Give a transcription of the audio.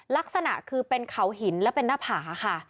ลักษณะคือเป็นเขาหินและเป็นหน้าผาค่ะ